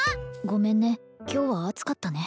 ごめんね今日は暑かったね